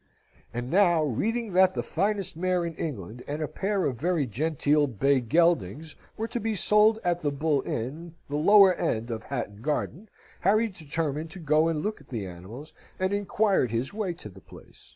And now, reading that the finest mare in England, and a pair of very genteel bay geldings, were to be sold at the Bull Inn, the lower end of Hatton Garden, Harry determined to go and look at the animals, and inquired his way to the place.